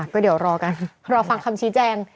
ก็เดี๋ยวรอกันรอฟังคำชี้แจง